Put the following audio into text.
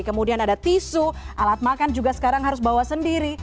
kemudian ada tisu alat makan juga sekarang harus bawa sendiri